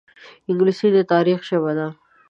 انګلیسي د تاریخ ژبه ده